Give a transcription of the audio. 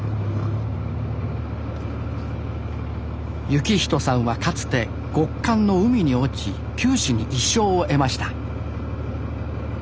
幸人さんはかつて極寒の海に落ち九死に一生を得ました